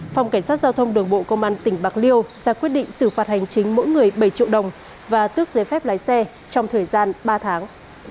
phòng cảnh sát giao thông đường bộ công an tỉnh bạc liêu ra quyết định xử phạt hành chính mỗi người bảy triệu đồng và tước giấy phép lái xe trong thời gian ba tháng